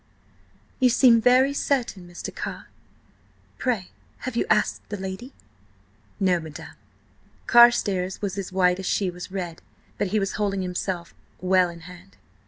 "You seem very certain, Mr. Carr. Pray have you asked the lady?" "No, madam." Carstares was as white as she was red, but he was holding himself well in hand.